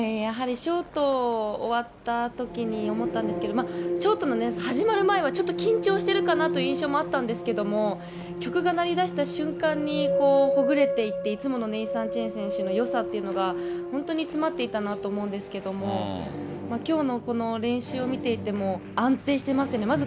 やはりショート終わったときに思ったんですけど、ショートの始まる前は、ちょっと緊張してるかなという印象もあったんですけども、曲が鳴りだした瞬間に、ほぐれていって、いつものネイサン・チェン選手のよさっていうのが本当に詰まっていたなと思うんですけれども、きょうのこの練習を見ていても、安定してますよね。